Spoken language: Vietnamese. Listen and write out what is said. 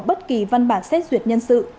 bất kỳ văn bản xét duyệt nhân sự